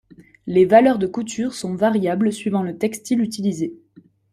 Les valeurs de couture sont variables suivant le textile utilisé.